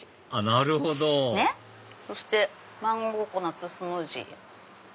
なるほどそしてマンゴーココナッツスムージー。